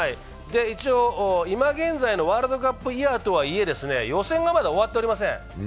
今現在、ワールドカップイヤーとはいえ予選がまだ終わっておりません。